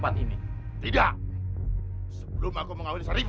yang di atas pinggir depan petan juga tersaring